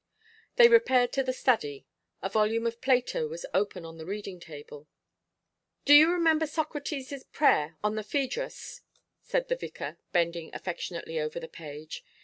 They repaired to the study. A volume of Plato was open on the reading table. 'Do you remember Socrates' prayer in the "Phaedrus"?' said the vicar, bending affectionately over the page.